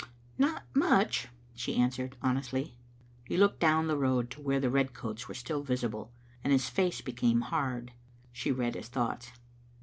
" Not much," she answered, honestly. He looked down the road to where the red coats were still visible, and his face became hard. She read his thoughts.